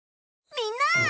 みんな！